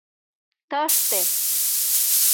— Тыште.